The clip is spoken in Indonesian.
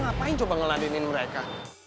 ngapain coba ngeladenin mereka